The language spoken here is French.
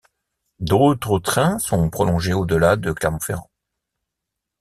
D'autres trains sont prolongés au-delà de Clermont-Ferrand.